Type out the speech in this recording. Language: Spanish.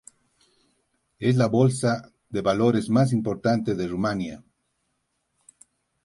Es la bolsa de valores más importante de Rumanía.